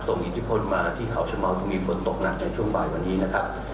อิทธิพลมาที่เขาชะเมามีฝนตกหนักในช่วงบ่ายวันนี้นะครับ